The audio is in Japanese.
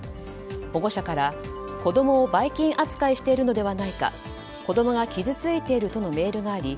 保護者から子供をばい菌扱いしているのではないか子供が傷ついているとのメールがあり